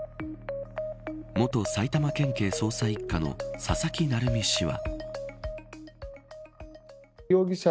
元埼玉県警捜査一課の佐々木成三氏は。